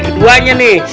bagi keduanya nih